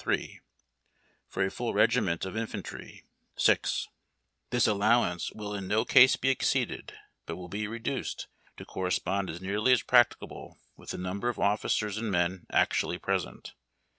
. Three For a full regiment of Infantry ^'/x This allowance will in no case be exceeded, but will be reduced to corre spond as nearly as practicable with the number of officers and men actually present.